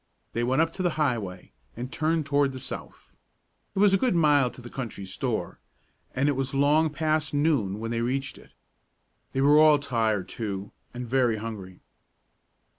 They went up to the highway, and turned toward the south. It was a good mile to the country store, and it was long past noon when they reached it. They were all tired, too, and very hungry.